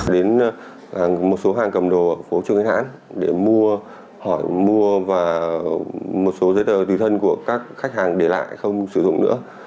đến một số hàng cầm đồ ở phố trường hán để mua hỏi mua và một số giấy tờ từ thân của các khách hàng để lại không sử dụng nữa